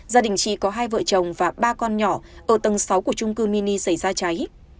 gia đình chị có hai vợ chồng và ba con nhỏ ở tầng sáu của trung cư mini xảy ra cháy